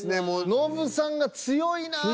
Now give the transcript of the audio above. ノブさんが強いな。